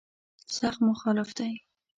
سخت مخالف دی.